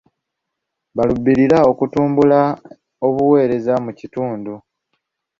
Baaluubirira okutumbula obuweereza mu kitundu.